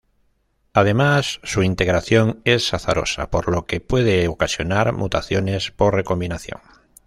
Además, su integración es azarosa, por lo que puede ocasionar mutaciones por recombinación.